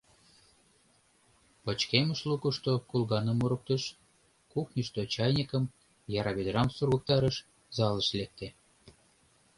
Пычкемыш лукышто кулганым мурыктыш, кухньышто чайникым, яра ведрам сургыктарыш, залыш лекте.